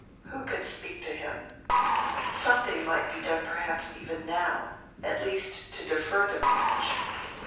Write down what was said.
Who could speak to him? Something might be done perhaps even now, at least to defer the marriage.